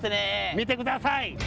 見てください。